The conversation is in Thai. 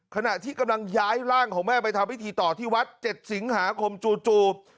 ขณะที่กำลังย้ายร่างของแม่ไปทำพิธีต่อที่วัด๗สิงหาคมจู่